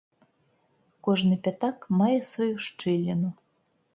Кожны пятак мае сваю шчыліну.